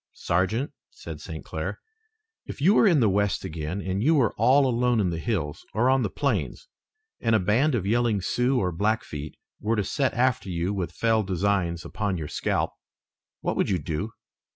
"Sergeant," said St. Clair, "if you were in the west again, and you were all alone in the hills or on the plains and a band of yelling Sioux or Blackfeet were to set after you with fell designs upon your scalp, what would you do?"